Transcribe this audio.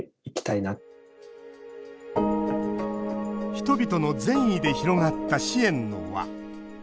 人々の善意で広がった支援の輪。